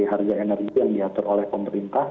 harga energi yang diatur oleh pemerintah